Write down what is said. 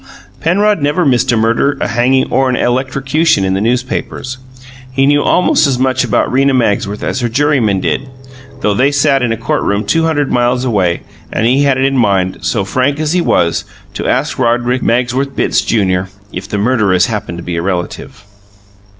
Penrod never missed a murder, a hanging or an electrocution in the newspapers; he knew almost as much about Rena Magsworth as her jurymen did, though they sat in a court room two hundred miles away, and he had it in mind so frank he was to ask Roderick Magsworth Bitts, Junior, if the murderess happened to be a relative.